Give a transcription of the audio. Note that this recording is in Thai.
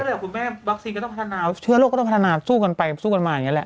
แหละคุณแม่วัคซีนก็ต้องพัฒนาเชื้อโรคก็ต้องพัฒนาสู้กันไปสู้กันมาอย่างนี้แหละ